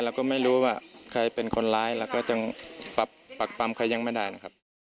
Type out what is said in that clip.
เราก็ไม่รู้ว่าใครเป็นคนร้ายแล้วก็ยังปักปำใครยังไม่ได้นะครับ